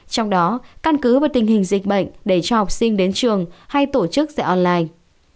trong đó căn cứ vào tình hình dịch bệnh để cho học sinh đến trường hay tổ chức dạy online